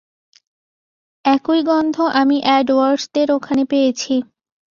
একই গন্ধ আমি এডওয়ার্ডস দের ওখানে পেয়েছি।